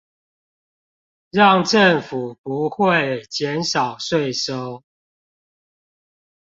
讓政府不會減少稅收